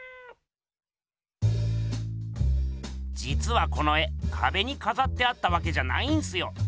じつはこの絵かべにかざってあったわけじゃないんすよ。